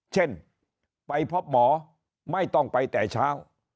เช่นไปพบหมอไม่ต้องไปแต่เช้า